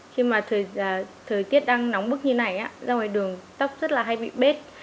khi mà thời tiết đang nóng bức như này ra ngoài đường tóc rất là hay bị bết